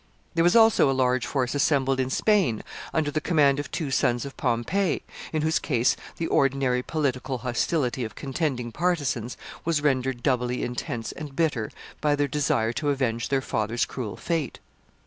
There was also a large force assembled in Spain under the command of two sons of Pompey, in whose case the ordinary political hostility of contending partisans was rendered doubly intense and bitter by their desire to avenge their father's cruel fate.